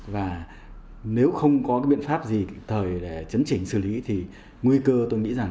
và nếu không có biện pháp gì kịp thời để chấn chỉnh xử lý thì nguy cơ tôi nghĩ rằng